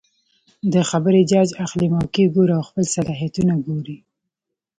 د خبرې جاج اخلي ،موقع ګوري او خپل صلاحيتونه ګوري